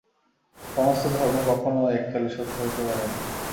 সমস্ত ধর্ম কখনও এককালে সত্য হইতে পারে না।